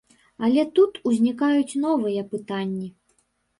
Але тут узнікаюць новыя пытанні.